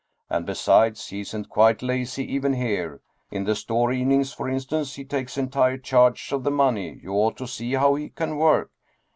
And, besides, he isn't quite lazy even here. In the store evenings, for instance, he takes entire charge of the money. You ought to see how he can work."